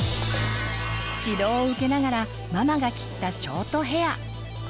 指導を受けながらママが切ったショートヘア。